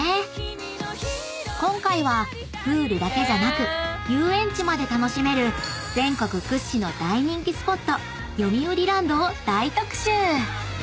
［今回はプールだけじゃなく遊園地まで楽しめる全国屈指の大人気スポットよみうりランドを大特集！］